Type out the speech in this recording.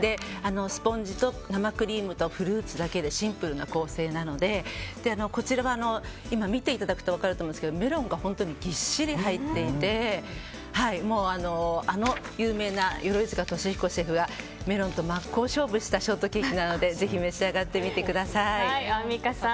スポンジと生クリームとフルーツだけでシンプルな構成なのでこちらは今、見ていただくと分かると思うんですけどメロンが本当にぎっしり入っていてあの有名な鎧塚俊彦シェフがメロンと真っ向勝負したショートケーキなのでぜひ、召し上がってみてください。